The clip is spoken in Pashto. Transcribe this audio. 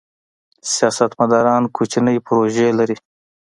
سیاستمداران کوچنۍ پروژې لري.